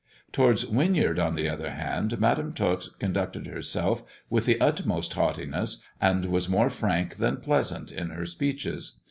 Towards Winyard, on the other hand, Madam Tot con ducted herself with the utmost haughtiness, and was more frank than pleasant in her speeches.